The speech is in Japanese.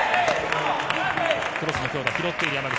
クロスの強打、拾っている山口。